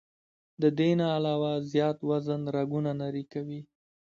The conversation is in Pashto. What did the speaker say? د دې نه علاوه زيات وزن رګونه نري کوي